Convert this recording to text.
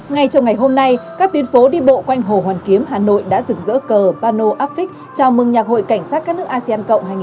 ngay trong ngày hôm nay các tuyến phố đi bộ quanh hồ hoàn kiếm hà nội đã dựng dỡ cờ pano apfic chào mừng nhạc hội cảnh sát các nước asean cộng hai nghìn hai mươi hai